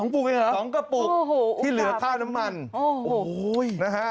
๒ปุกเลยหรอ๒กระปุกที่เหลือค่าน้ำมันโอ้โห